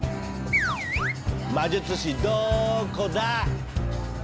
魔術師どこだ？